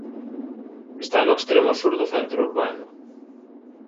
Está no extremo sur do centro urbano.